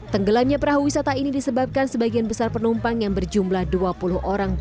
tenggelamnya perahu wisata ini disebabkan sebagian besar penumpang yang berjumlah dua puluh orang